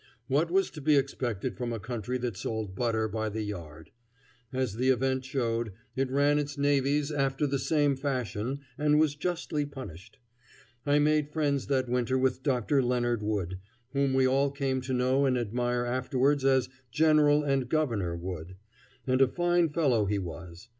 What was to be expected from a country that sold butter by the yard? As the event showed, it ran its navies after the same fashion and was justly punished. I made friends that winter with Dr. Leonard Wood, whom we all came to know and admire afterwards as General and Governor Wood; and a fine fellow he was.